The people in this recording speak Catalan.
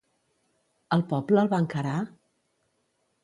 El poble el va encarar?